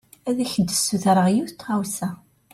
Ad ak-d-sutreɣ yiwen n tɣawsa.